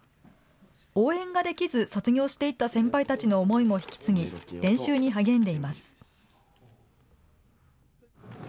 応援ができず、卒業していった先輩たちの思いも引き継ぎ、練習に励んでいます。